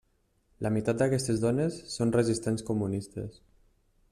La meitat d'aquestes dones són resistents comunistes.